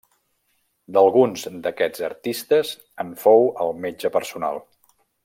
D'alguns d'aquests artistes, en fou el metge personal.